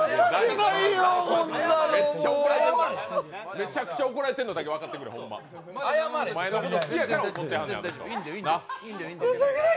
めちゃくちゃ怒られてんのだけ分かってください。